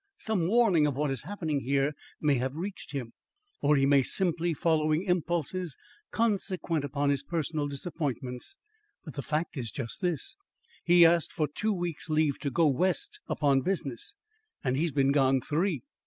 Some warning of what is happening here may have reached him, or he may be simply following impulses consequent upon his personal disappointments; but the fact is just this he asked for two weeks' leave to go West upon business, and he's been gone three.